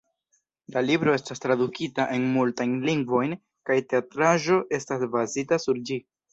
La libro estas tradukita en multajn lingvojn kaj teatraĵo estas bazita sur ĝi.